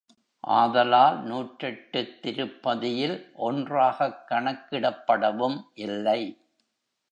ஆதலால் நூற்றெட்டுத் திருப்பதியில் ஒன்றாகக் கணக்கிடப்படவும் இல்லை.